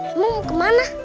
emang mau kemana